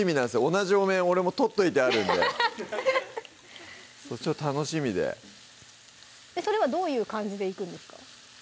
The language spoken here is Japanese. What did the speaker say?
同じお面俺も取っといてあるんでちょっと楽しみでそれはどういう感じでいくんですか？